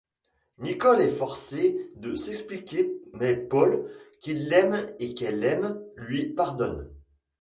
Nicole est forcée de s'expliquer mais Paul, qui l'aime et qu'elle aime, lui pardonne.